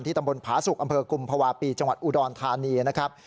ตำบลผาสุกอำเภอกุมภาวะปีจังหวัดอุดรธานีนะครับ